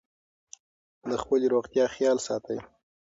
د خپلې روغتیا خیال ساتئ.